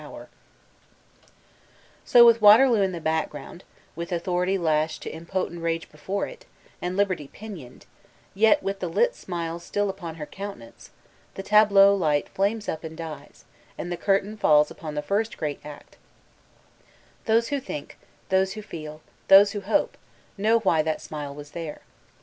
388 VOLTAIRINE D£ ClEYKE So with Waterloo in the background, with Authoiity lashed to impotent rage before it, and Liberty p i nioned, yet with the lit smile still upon her countenance, the tableau light flames up and dies, and the curtain falb upon the first great act Those who think, those who feel, those who hope, know why that smile was there.